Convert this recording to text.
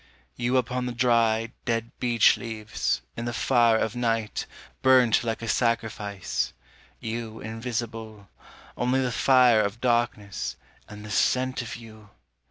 You upon the dry, dead beech leaves, in the fire of night Burnt like a sacrifice; you invisible; Only the fire of darkness, and the scent of you!